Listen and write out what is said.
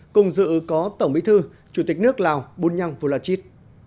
cùng dự có tổng bí thư chủ tịch nước lào bunyang phu la chit